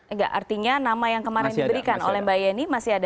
enggak artinya nama yang kemarin diberikan oleh mbak yeni masih ada